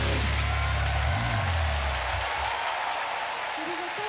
ありがとう。